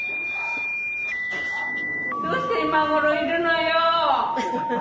どうして今ごろいるのよ。